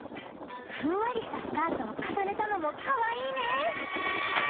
ふんわりしたスカートをかさねたのもかわいいね！